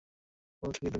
বলছ কি তুমি?